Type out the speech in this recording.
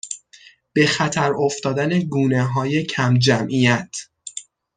به خطر افتادن گونههای کمجمعیت